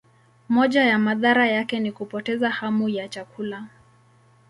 Moja ya madhara yake ni kupoteza hamu ya chakula.